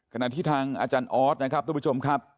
ขณะที่ทางอออธนะครับต้องบิทยมครับ